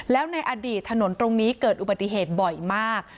แล้วในอดีตถนนตรงนี้เกิดอุบัติเหตุบ่อยมาก